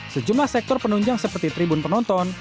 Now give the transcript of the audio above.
sejumlah sektor penunjang seperti tribun penonton